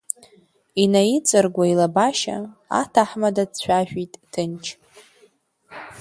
Инаиҵаргәа илабашьа, аҭаҳмада дцәажәеит ҭынч…